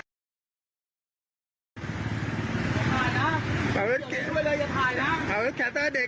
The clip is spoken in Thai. ต้องเข้าใจด้วยเท่าสินเด็กได้ไง